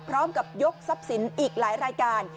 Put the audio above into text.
พร้อมกับยกทรัพย์สินอีกหลายรายการ